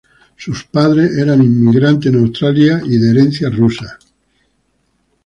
Sus padres eran inmigrantes en Australia y de herencia rusa.